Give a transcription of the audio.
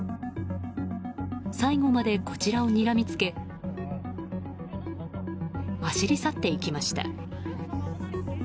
最後までこちらをにらみつけ走り去っていきました。